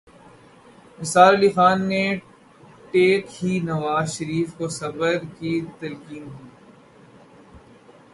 نثار علی خان نے ٹھیک ہی نواز شریف کو صبر کی تلقین کی۔